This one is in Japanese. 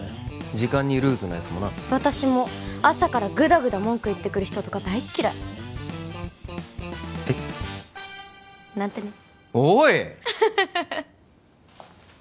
時間にルーズなやつもな私も朝からグダグダ文句言ってくる人とか大っ嫌いえっなんてねおい！